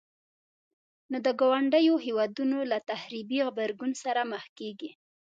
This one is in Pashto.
نو د ګاونډيو هيوادونو له تخريبي غبرګون سره مخ کيږي.